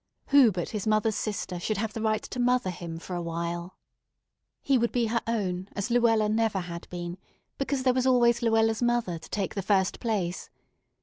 Who but his mother's sister should have the right to mother him for a while? He would be her own as Luella never had been, because there was always Luella's mother to take the first place.